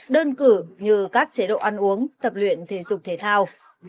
đơn cử như các chế độ ăn uống tập luyện thể dục thể thao